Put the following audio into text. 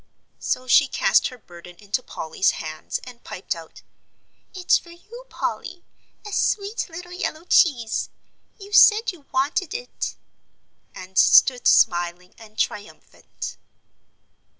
So she cast her burden into Polly's hands and piped out, "It's for you, Polly, a sweet little yellow cheese; you said you wanted it," and stood smiling and triumphant.